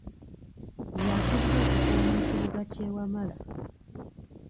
Yakulira okukuuma ekibuga ky’e Wamala.